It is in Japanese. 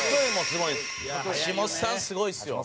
すごいですよ。